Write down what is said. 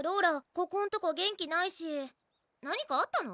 ここんとこ元気ないし何かあったの？